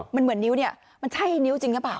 มันเหมือนนิ้วเนี่ยมันใช่นิ้วจริงหรือเปล่า